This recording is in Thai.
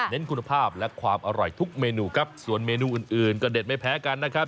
คุณภาพและความอร่อยทุกเมนูครับส่วนเมนูอื่นอื่นก็เด็ดไม่แพ้กันนะครับ